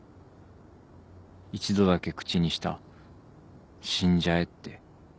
一度だけ口にした「死んじゃえ」って。